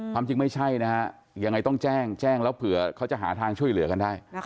ความจริงไม่ใช่นะฮะยังไงต้องแจ้งแจ้งแล้วเผื่อเขาจะหาทางช่วยเหลือกันได้